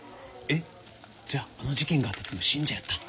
じゃああの事件があった時も信者やったん？